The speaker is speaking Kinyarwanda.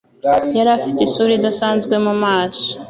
Yari afite isura idasanzwe mu maso.